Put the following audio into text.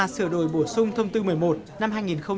sửa đổi bổ sung thông tư một mươi một năm hai nghìn một mươi ba